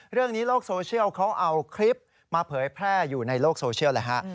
โลกโซเชียลเขาเอาคลิปมาเผยแพร่อยู่ในโลกโซเชียลเลยฮะ